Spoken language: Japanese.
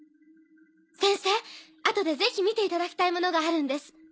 先生後でぜひ見ていただきたいものがあるんです。